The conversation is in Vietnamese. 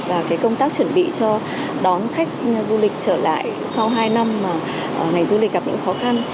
và công tác chuẩn bị cho đón khách du lịch trở lại sau hai năm mà ngành du lịch gặp những khó khăn